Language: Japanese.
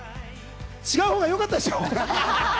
違うほうがよかったでしょ！